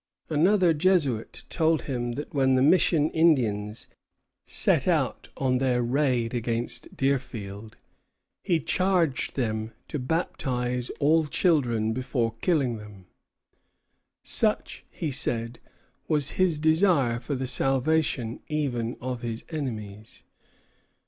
Another Jesuit told him that when the mission Indians set out on their raid against Deerfield, he charged them to baptize all children before killing them, such, he said, was his desire for the salvation even of his enemies.